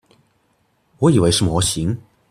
我以為是模型